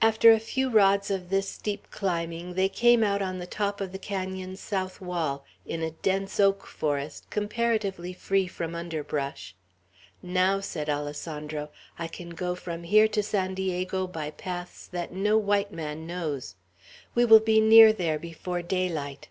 After a few rods of this steep climbing they came out on the top of the canon's south wall, in a dense oak forest comparatively free from underbrush. "Now," said Alessandro, "I can go from here to San Diego by paths that no white man knows. We will be near there before daylight."